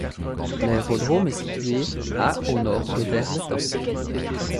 L'aérodrome est situé à au Nord de Berre-l'Étang.